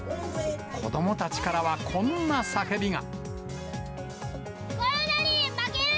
子どもたちからはこんな叫びが。